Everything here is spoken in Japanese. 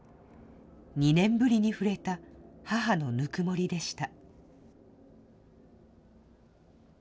２年ぶりに触れた、母のぬくもりでした。